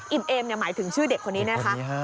เอมหมายถึงชื่อเด็กคนนี้นะคะ